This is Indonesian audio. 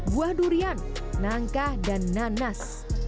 buah durian nangka dan nanas